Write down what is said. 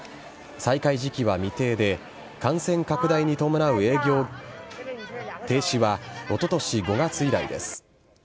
再開時期は未定で、感染拡大に伴う営業停止はおととし５月以来です。